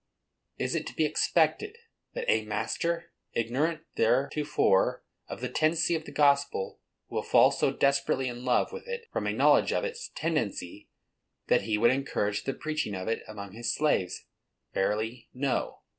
_—Is it to be expected that a master ignorant heretofore of the tendency of the gospel would fall so desperately in love with it, from a knowledge of its tendency, that he would encourage the preaching of it among his slaves? Verily, NO.